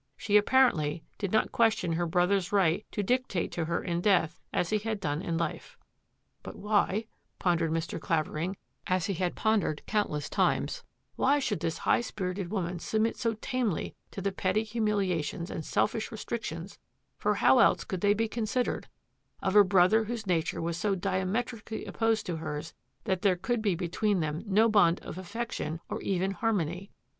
She apparently did not ques tion her brother's right to dictate to her in death as he had done in life. " But why," pondered Mr. Clavering, as he had pondered countless times, " why should this high spirited woman submit so tamely to the petty humiliations and selfish restrictions — for how else could they be considered — of a brother whose nature was so diametrically opposed to hers that there could be between them no bond of affection or even harmony?